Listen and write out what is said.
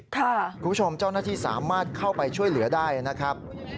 คุณผู้ชมเจ้าหน้าที่สามารถเข้าไปช่วยเหลือได้นะครับ